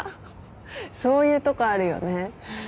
そういうとこあるよね。